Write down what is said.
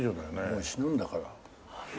もう死ぬんだから。